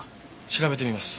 調べてみます。